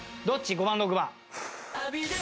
５番６番。